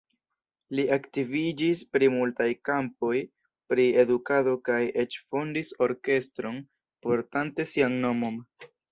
Li aktiviĝis pri multaj kampoj pri edukado kaj eĉ fondis orkestron portante sian nomon.